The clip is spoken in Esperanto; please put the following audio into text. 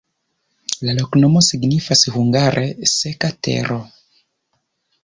La loknomo signifas hungare: seka-tero.